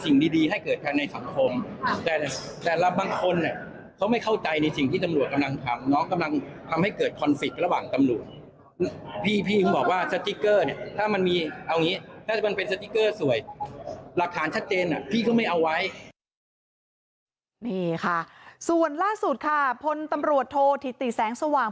นี่ค่ะส่วนล่าสุดค่ะพลตำรวจโทษธิติแสงสว่าง